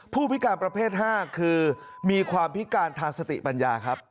ผู้พิการประเภท๕คือมีความพิการทางสติปัญญาครับ